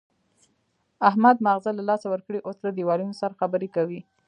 احمد ماغزه له لاسه ورکړي، اوس له دېوالونو سره خبرې کوي.